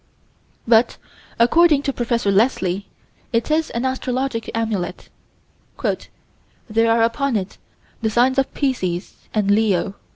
But, according to Prof. Leslie, it is an astrologic amulet. "There are upon it the signs of Pisces and Leo."